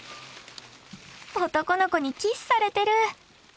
男の子にキスされてる！